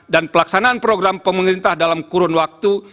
dan pelaksanaan program pemerintah dalam kurun waktu